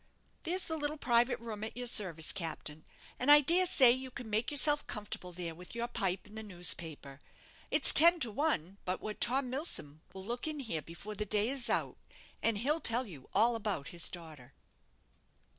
There's the little private room at your service, captain, and I dare say you can make yourself comfortable there with your pipe and the newspaper. It's ten to one but what Tom Milsom will look in before the day's out, and he'll tell you all about his daughter."